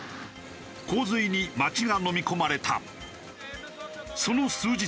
洪水に街がのみ込まれた。